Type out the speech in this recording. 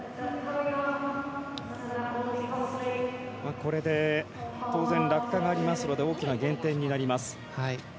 これで当然、落下がありますので大きな減点になります。